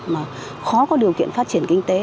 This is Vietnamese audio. mà khó có điều kiện phát triển kinh tế